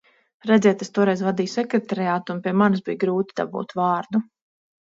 Redziet, es toreiz vadīju Sekretariātu un pie manis bija grūti dabūt vārdu.